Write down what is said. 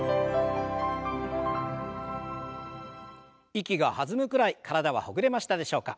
息が弾むくらい体はほぐれましたでしょうか。